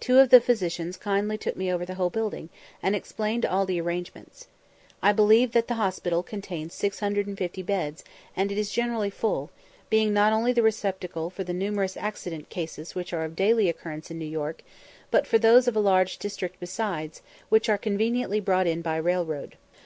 Two of the physicians kindly took me over the whole building, and explained all the arrangements. I believe that the hospital contains 650 beds, and it is generally full, being not only the receptacle for the numerous accident cases which are of daily occurrence in New York, but for those of a large district besides, which are conveniently brought in by railroad.